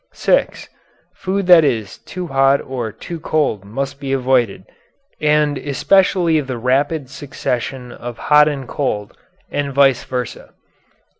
(6) Food that is too hot or too cold must be avoided, and especially the rapid succession of hot and cold, and vice versa.